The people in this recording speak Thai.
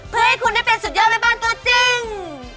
เพื่อให้คุณได้เป็นสุดยอดแม่บ้านตัวจริง